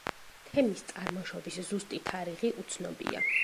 თემის წარმოშობის ზუსტი თარიღი უცნობია.